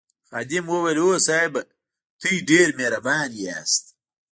خادم وویل اوه صاحبه تاسي ډېر مهربان یاست.